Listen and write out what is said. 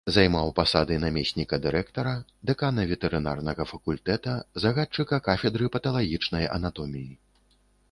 Займаў пасады намесніка дырэктара, дэкана ветэрынарнага факультэта, загадчыка кафедры паталагічнай анатоміі.